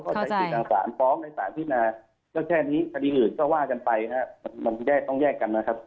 ก็ใช้ความสารพร้อมในสารพิทราบก็แค่นี้คดีอื่นก็ว่ากันไปมันต้องแยกกันนะครับ